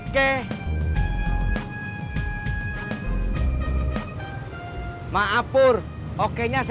beh mobil dua lo dengar